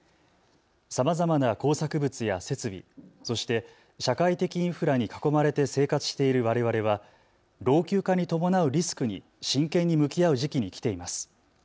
さまざまな工作物や設備、そして社会的インフラに囲まれて生活しているわれわれは老朽化に伴うリスクに真剣に向き合う時期に来ています。